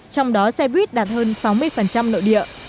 trong đó xe buýt đạt hơn sáu mươi nội địa